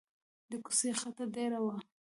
د کوڅې خټه ډېره وه.